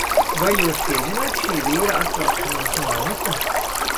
Vai jūs pieņemat šī vīra atkāpšanos no amata?